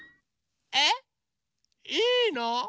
えっいいの？